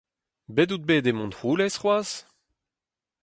Bet out bet e Montroulez c'hoazh ?